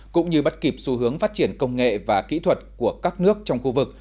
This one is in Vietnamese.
cũng như bắt kịp xu hướng phát triển công nghệ và kỹ thuật của các nước trong khu vực